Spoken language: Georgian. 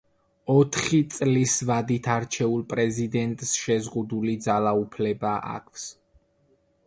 ოთხი წლის ვადით არჩეულ პრეზიდენტს შეზღუდული ძალაუფლება აქვს.